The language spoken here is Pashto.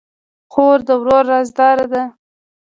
خور د ورور رازدار ده.